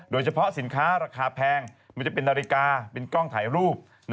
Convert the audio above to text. โดยเฉพาะสินค้าราคาแพงมันจะเป็นนาฬิกาเป็นกล้องถ่ายรูป